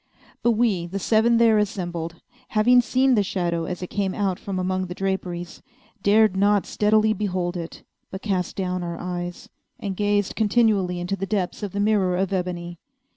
But we, the seven there assembled, having seen the shadow as it came out from among the draperies, dared not steadily behold it, but cast down our eyes, and gazed continually into the depths of the mirror of ebony.